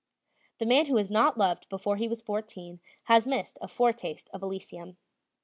The man who has not loved before he was fourteen has missed a foretaste of Elysium.